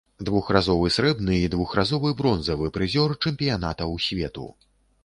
Двухразовы срэбны і двухразовы бронзавы прызёр чэмпіянатаў свету.